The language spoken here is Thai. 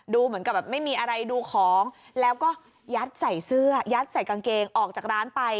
เหมือนกับแบบไม่มีอะไรดูของแล้วก็ยัดใส่เสื้อยัดใส่กางเกงออกจากร้านไป